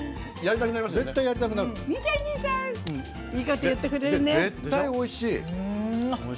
絶対おいしい。